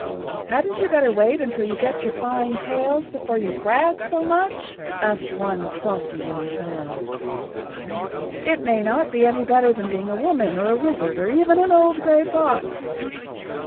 "Hadn't you better wait until you get[Pg 72] your fine tails before you brag so much?" asked one saucy young fellow. "It may not be any better than being a woman or a wizard or even an old gray fox."